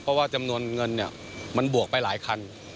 เพราะว่าจำนวนเงินเนี่ยมันบวกไปหลายคัน